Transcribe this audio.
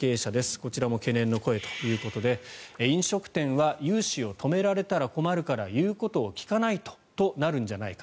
こちらも懸念の声ということで飲食店は融資を止められたら困るから言うことを聞かないととなるんじゃないか。